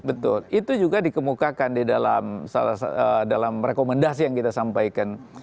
betul itu juga dikemukakan di dalam rekomendasi yang kita sampaikan